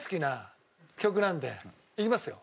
いきますよ。